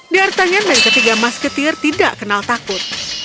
diartanyan dan ketiga mas ketir tidak kenal takut